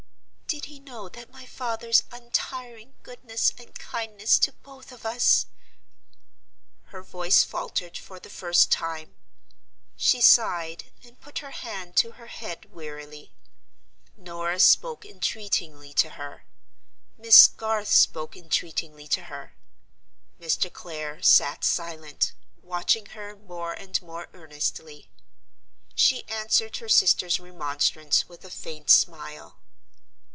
"Did he know that my father's untiring goodness and kindness to both of us—" Her voice faltered for the first time: she sighed, and put her hand to her head wearily. Norah spoke entreatingly to her; Miss Garth spoke entreatingly to her; Mr. Clare sat silent, watching her more and more earnestly. She answered her sister's remonstrance with a faint smile.